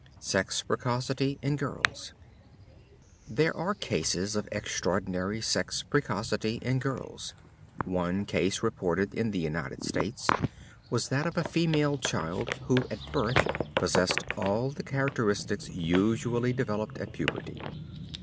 SEX PRECOCITY IN GIRLS There are cases of extraordinary sex precocity in girls. One case reported in the United States was that of a female child who at birth possessed all the characteristics usually developed at puberty.